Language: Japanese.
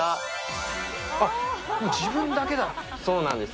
そうなんですよ。